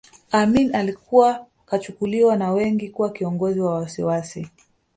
Amin alikuwa kachukuliwa na wengi kuwa kiongozi wa wasiwasi